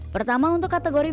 pertama untuk kategori video